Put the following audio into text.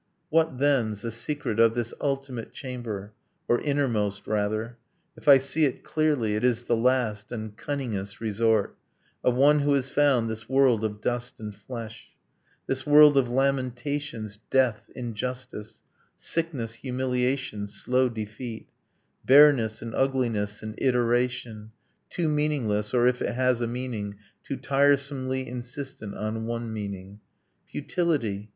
What, then's, the secret of this ultimate chamber Or innermost, rather? If I see it clearly It is the last, and cunningest, resort Of one who has found this world of dust and flesh, This world of lamentations, death, injustice, Sickness, humiliation, slow defeat, Bareness, and ugliness, and iteration, Too meaningless; or, if it has a meaning, Too tiresomely insistent on one meaning: Futility